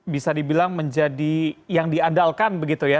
bisa dibilang menjadi yang diandalkan begitu ya